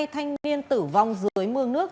hai thanh niên tử vong dưới mương nước